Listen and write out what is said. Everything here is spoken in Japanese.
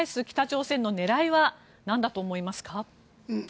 北朝鮮の狙いはなんだと思いますか？